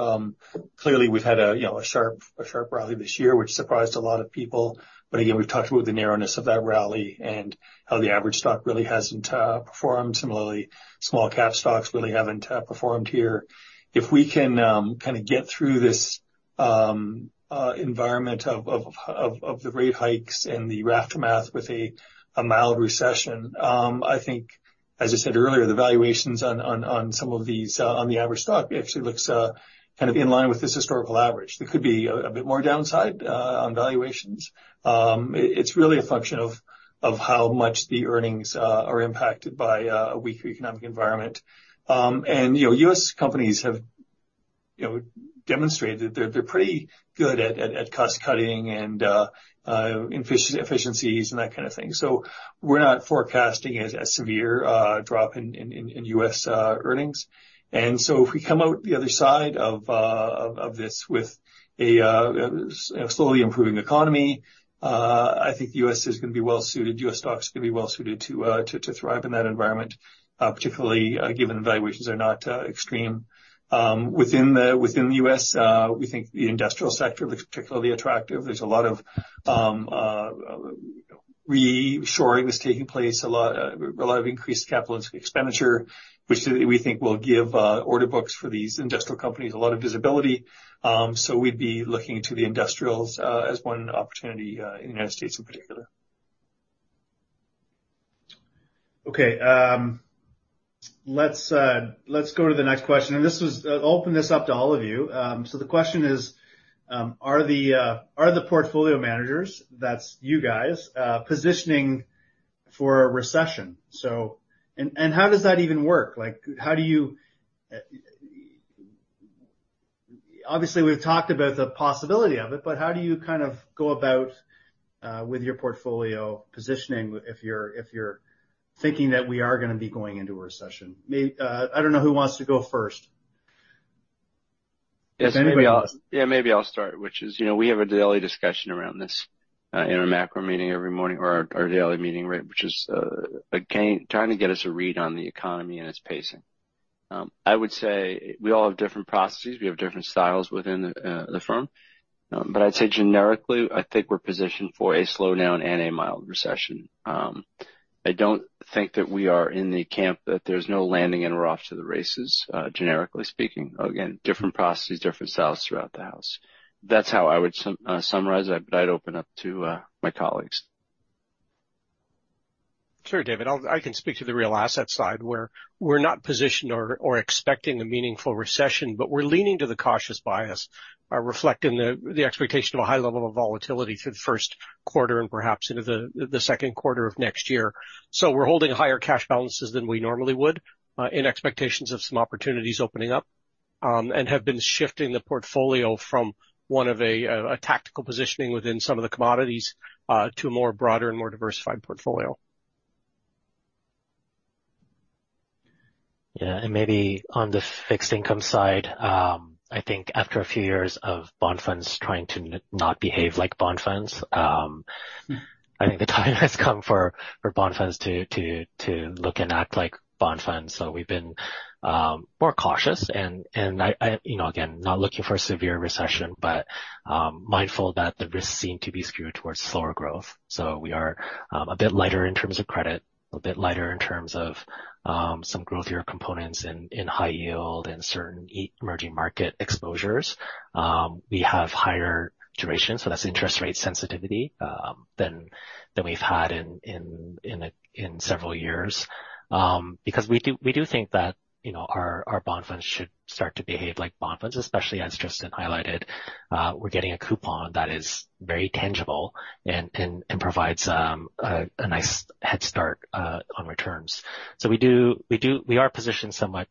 Speaker 3: Clearly, we've had a, you know, sharp rally this year, which surprised a lot of people. But again, we've talked about the narrowness of that rally and how the average stock really hasn't performed. Similarly, small cap stocks really haven't performed here. If we can kind of get through this environment of the rate hikes and the aftermath with a mild recession, I think, as I said earlier, the valuations on some of these on the average stock actually looks kind of in line with this historical average. There could be a bit more downside on valuations. It's really a function of how much the earnings are impacted by a weaker economic environment. And you know, U.S. companies have, you know, demonstrated that they're pretty good at cost cutting and efficiencies and that kind of thing. So we're not forecasting as severe a drop in U.S. earnings. And so if we come out the other side of this with a slowly improving economy, I think the U.S. is going to be well-suited, U.S. stocks are going to be well-suited to thrive in that environment, particularly given valuations are not extreme. Within the U.S., we think the industrial sector looks particularly attractive. There's a lot of reshoring that's taking place, a lot of increased capital expenditure, which we think will give order books for these industrial companies a lot of visibility. So we'd be looking to the industrials as one opportunity in the United States in particular.
Speaker 1: Okay, let's, let's go to the next question, and this is... I'll open this up to all of you. So the question is: Are the portfolio managers, that's you guys, positioning for a recession? So... And, and how does that even work? Like, how do you, obviously, we've talked about the possibility of it, but how do you kind of go about with your portfolio positioning if you're, if you're thinking that we are gonna be going into a recession? I don't know who wants to go first.
Speaker 2: Yes, maybe I'll start, which is, you know, we have a daily discussion around this in our macro meeting every morning, or our daily meeting, right, which is, again, trying to get us a read on the economy and its pacing. I would say we all have different processes. We have different styles within the firm. But I'd say generically, I think we're positioned for a slowdown and a mild recession. I don't think that we are in the camp that there's no landing and we're off to the races, generically speaking. Again, different processes, different styles throughout the house. That's how I would summarize it, but I'd open up to my colleagues.
Speaker 6: Sure, David. I can speak to the real asset side, where we're not positioned or expecting a meaningful recession, but we're leaning to the cautious bias, reflecting the expectation of a high level of volatility for the first quarter and perhaps into the second quarter of next year. So we're holding higher cash balances than we normally would, in expectations of some opportunities opening up, and have been shifting the portfolio from one of a tactical positioning within some of the commodities, to a more broader and more diversified portfolio.
Speaker 4: Yeah, and maybe on the fixed income side, I think after a few years of bond funds trying to not behave like bond funds, I think the time has come for bond funds to look and act like bond funds. So we've been more cautious and I, you know, again, not looking for a severe recession, but mindful that the risks seem to be skewed towards slower growth. So we are a bit lighter in terms of credit, a bit lighter in terms of some growthier components in high yield and certain emerging market exposures. We have higher duration, so that's interest rate sensitivity, than we've had in several years. Because we do, we do think that, you know, our bond funds should start to behave like bond funds, especially as Tristan highlighted. We're getting a coupon that is very tangible and, and provides a nice head start on returns. So we do. We are positioned somewhat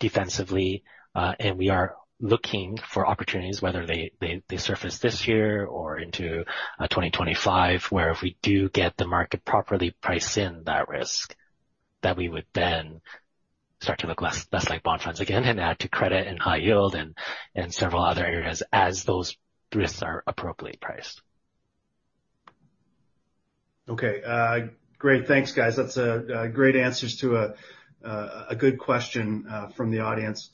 Speaker 4: defensively, and we are looking for opportunities, whether they surface this year or into 2025, where if we do get the market properly priced in that risk, that we would then start to look less like bond funds again and add to credit and high yield and several other areas as those risks are appropriately priced.
Speaker 1: Okay. Great. Thanks, guys. That's great answers to a good question from the audience.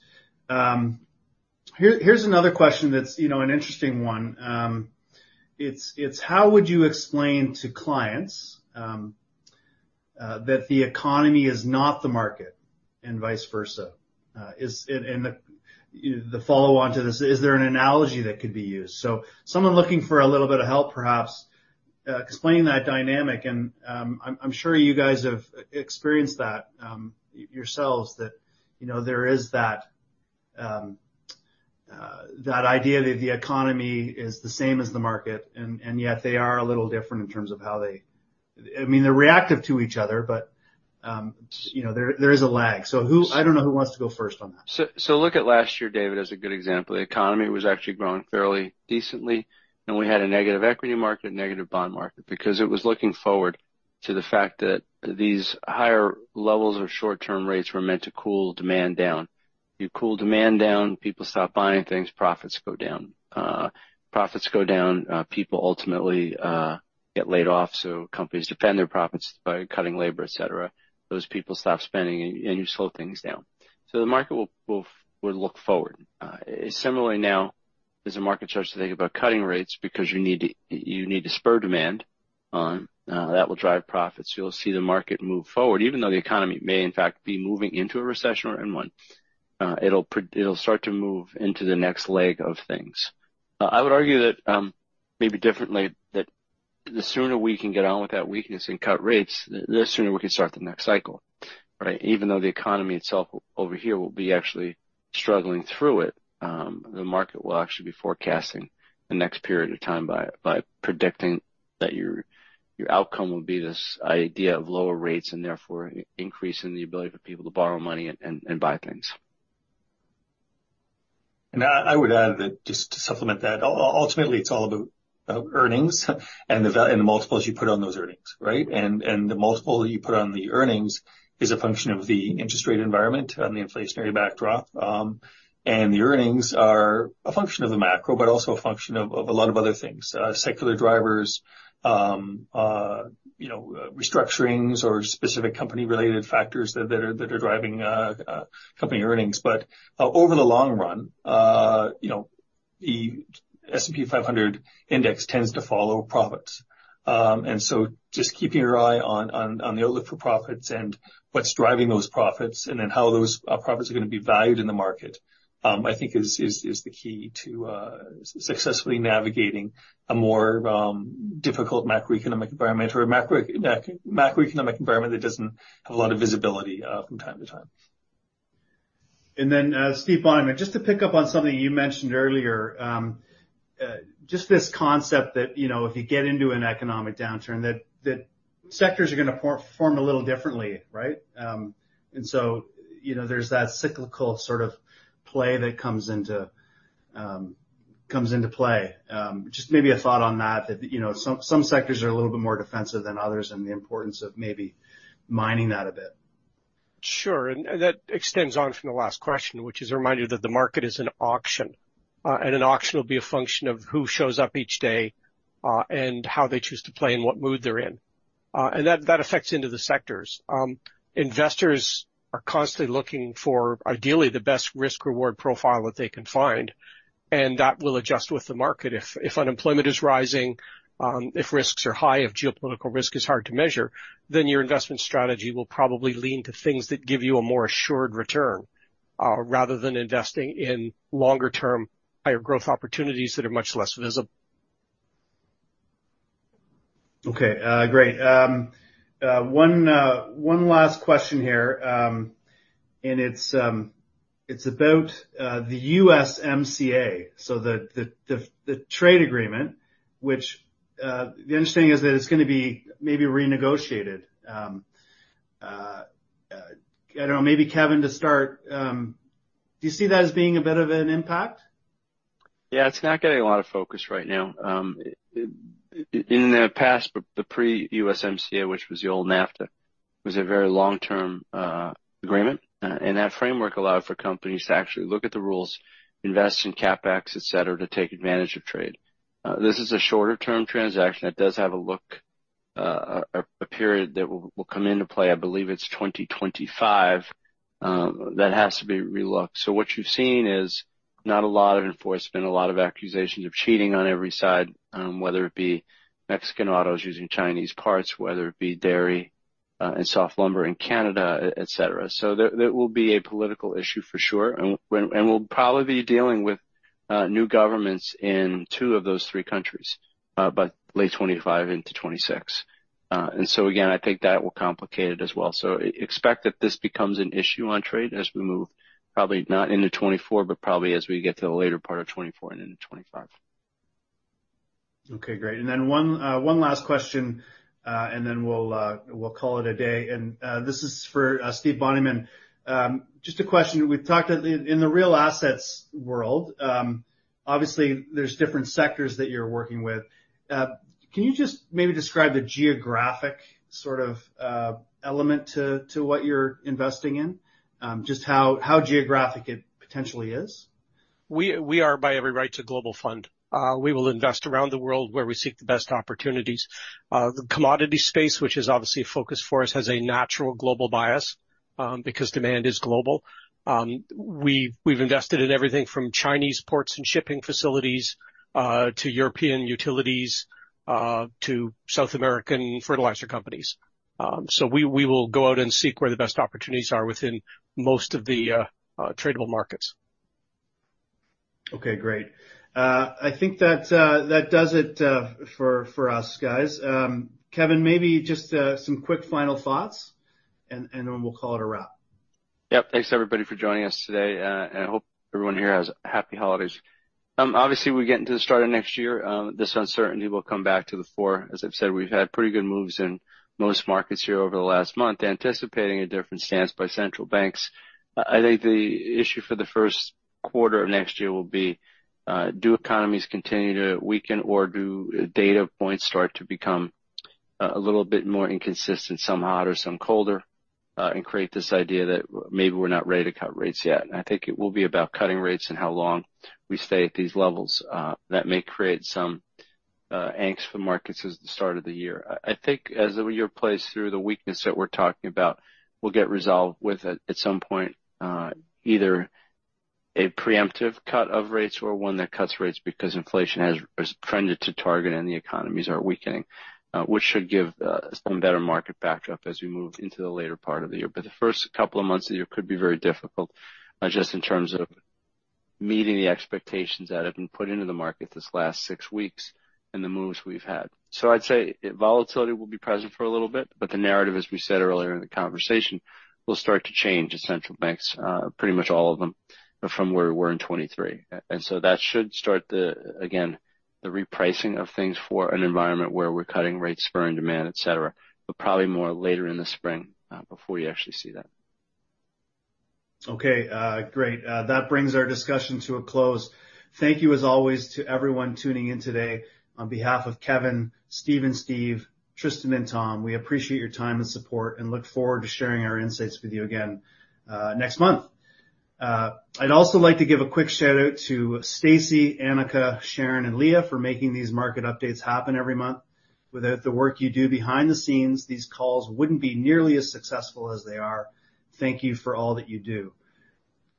Speaker 1: Here's another question that's, you know, an interesting one. It's: How would you explain to clients that the economy is not the market and vice versa? And the follow-on to this, is there an analogy that could be used? So someone looking for a little bit of help, perhaps, explaining that dynamic, and I'm sure you guys have experienced that yourselves, that you know there is that idea that the economy is the same as the market, and yet they are a little different in terms of how they, I mean, they're reactive to each other, but you know there is a lag. So, I don't know who wants to go first on that.
Speaker 2: So look at last year, David, as a good example. The economy was actually growing fairly decently, and we had a negative equity market, negative bond market, because it was looking forward to the fact that these higher levels of short-term rates were meant to cool demand down. You cool demand down, people stop buying things, profits go down. Profits go down, people ultimately get laid off, so companies defend their profits by cutting labor, et cetera. Those people stop spending, and you slow things down. So the market will look forward. Similarly, now, as the market starts to think about cutting rates because you need to, you need to spur demand, that will drive profits. You'll see the market move forward, even though the economy may, in fact, be moving into a recession or in one. It'll start to move into the next leg of things. I would argue that, maybe differently, that the sooner we can get on with that weakness and cut rates, the sooner we can start the next cycle, right? Even though the economy itself over here will be actually struggling through it, the market will actually be forecasting the next period of time by predicting that your outcome will be this idea of lower rates, and therefore increasing the ability for people to borrow money and buy things.
Speaker 3: And I would add that, just to supplement that, ultimately, it's all about earnings and the valuation and the multiples you put on those earnings, right? And the multiple that you put on the earnings is a function of the interest rate environment and the inflationary backdrop. And the earnings are a function of the macro, but also a function of a lot of other things, secular drivers, you know, restructurings or specific company-related factors that are driving company earnings. But over the long run, you know, the S&P 500 index tends to follow profits. So just keeping your eye on the outlook for profits and what's driving those profits, and then how those profits are gonna be valued in the market, I think is the key to successfully navigating a more difficult macroeconomic environment or a macroeconomic environment that doesn't have a lot of visibility from time to time.
Speaker 1: Then, Stephen Bonnyman, just to pick up on something you mentioned earlier, just this concept that, you know, if you get into an economic downturn, that, that sectors are gonna perform a little differently, right? So, you know, there's that cyclical sort of play that comes into, comes into play. Just maybe a thought on that, that, you know, some, some sectors are a little bit more defensive than others, and the importance of maybe mining that a bit.
Speaker 6: Sure. And that extends on from the last question, which is a reminder that the market is an auction. And an auction will be a function of who shows up each day, and how they choose to play and what mood they're in. And that affects into the sectors. Investors are constantly looking for, ideally, the best risk-reward profile that they can find, and that will adjust with the market. If unemployment is rising, if risks are high, if geopolitical risk is hard to measure, then your investment strategy will probably lean to things that give you a more assured return, rather than investing in longer-term, higher growth opportunities that are much less visible.
Speaker 1: Okay. Great. One last question here, and it's about the USMCA. So the trade agreement, which the interesting thing is that it's gonna be maybe renegotiated. I don't know, maybe Kevin, to start, do you see that as being a bit of an impact?
Speaker 2: Yeah, it's not getting a lot of focus right now. In the past, but the pre-USMCA, which was the old NAFTA, was a very long-term agreement. And that framework allowed for companies to actually look at the rules, invest in CapEx, et cetera, to take advantage of trade. This is a shorter-term transaction. It does have a look, a period that will come into play. I believe it's 2025, that has to be re-looked. So what you've seen is not a lot of enforcement, a lot of accusations of cheating on every side, whether it be Mexican autos using Chinese parts, whether it be dairy and soft lumber in Canada, et cetera. So there will be a political issue for sure, and when... We'll probably be dealing with new governments in two of those three countries by late 2025 into 2026. And so again, I think that will complicate it as well. Expect that this becomes an issue on trade as we move, probably not into 2024, but probably as we get to the later part of 2024 and into 2025.
Speaker 1: Okay, great. And then one last question, and then we'll call it a day. And this is for Stephen Bonnyman. Just a question. We've talked at the... In the real assets world, obviously, there's different sectors that you're working with. Can you just maybe describe the geographic sort of element to what you're investing in? Just how geographic it potentially is.
Speaker 6: We are, by every right, a global fund. We will invest around the world where we seek the best opportunities. The commodity space, which is obviously a focus for us, has a natural global bias because demand is global. We've invested in everything from Chinese ports and shipping facilities to European utilities to South American fertilizer companies. So we will go out and seek where the best opportunities are within most of the tradable markets.
Speaker 1: Okay, great. I think that does it for us, guys. Kevin, maybe just some quick final thoughts and then we'll call it a wrap.
Speaker 2: Yep. Thanks, everybody, for joining us today, and I hope everyone here has happy holidays. Obviously, we get into the start of next year, this uncertainty will come back to the fore. As I've said, we've had pretty good moves in most markets here over the last month, anticipating a different stance by central banks. I think the issue for the first quarter of next year will be, do economies continue to weaken, or do data points start to become a little bit more inconsistent, some hotter, some colder, and create this idea that maybe we're not ready to cut rates yet? And I think it will be about cutting rates and how long we stay at these levels. That may create some angst for markets as the start of the year. I think as the year plays through, the weakness that we're talking about will get resolved with, at some point, either a preemptive cut of rates or one that cuts rates because inflation has trended to target and the economies are weakening, which should give some better market backdrop as we move into the later part of the year. But the first couple of months of the year could be very difficult, just in terms of meeting the expectations that have been put into the market this last six weeks and the moves we've had. So I'd say volatility will be present for a little bit, but the narrative, as we said earlier in the conversation, will start to change as central banks, pretty much all of them, from where we were in 2023. and so that should start, again, the repricing of things for an environment where we're cutting rates for in demand, et cetera, but probably more later in the spring before you actually see that.
Speaker 1: Okay, great. That brings our discussion to a close. Thank you, as always, to everyone tuning in today. On behalf of Kevin, Steve and Steve, Tristan, and Tom, we appreciate your time and support, and look forward to sharing our insights with you again next month. I'd also like to give a quick shout-out to Stacy, Annika, Sharon, and Leah for making these market updates happen every month. Without the work you do behind the scenes, these calls wouldn't be nearly as successful as they are. Thank you for all that you do.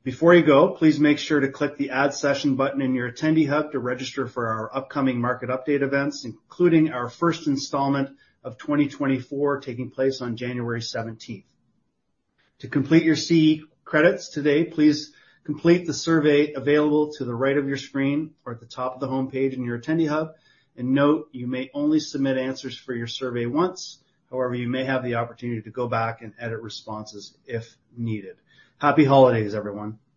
Speaker 1: Before you go, please make sure to click the Add Session button in your Attendee Hub to register for our upcoming market update events, including our first installment of 2024, taking place on January seventeenth. To complete your CE credits today, please complete the survey available to the right of your screen or at the top of the homepage in your Attendee Hub. Note, you may only submit answers for your survey once. However, you may have the opportunity to go back and edit responses if needed. Happy holidays, everyone!